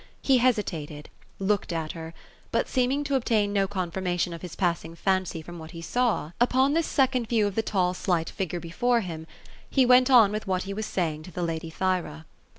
He hesitated ; looked at her ; but seeming to ob tain no confirmation of his passing fancy from what he saw, upon this 240 OPHELIA ; second view of the tall slight figure before him, he went on with what he was saying to the ladj Thyra.